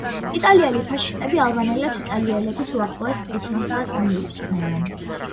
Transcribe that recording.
იტალიელი ფაშისტები ალბანელებს იტალიელების უახლოეს ეთნოსად მიიჩნევდნენ.